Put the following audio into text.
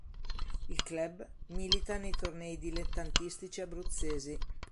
Il club milita nei tornei dilettantistici abruzzesi.